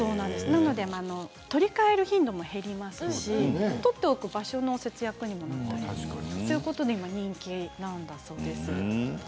取り替える頻度も減りますし取っておく場所の節約にもなるということで今人気なんだそうです。